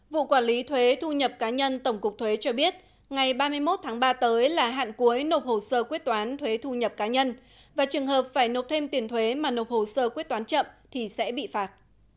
vụ quản lý thuế thu nhập cá nhân tổng cục thuế cho biết ngày ba mươi một tháng ba tới là hạn cuối nộp hồ sơ quyết toán thuế thu nhập cá nhân và trường hợp phải nộp thêm tiền thuế mà nộp hồ sơ quyết toán chậm thì sẽ bị phạt